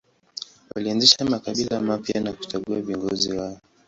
Walianzisha makabila mapya na kuchagua viongozi wao.